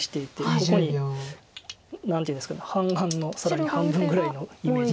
ここに何ていうんですか半眼の更に半分ぐらいのイメージ。